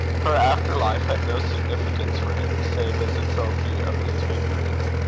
Her after life had no significance for him, save as a trophy of his victory.